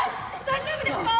大丈夫ですか！？